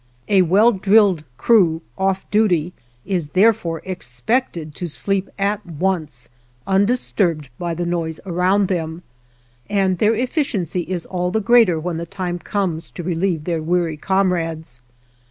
A well drilled crew, off duty, is therefore expected to sleep at once, undisturbed by the noise around them, and their efficiency is all the greater when the time comes to relieve their weary comrades.